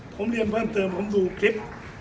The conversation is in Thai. ผมเรียนเพิ่มเติมผมดูคลิป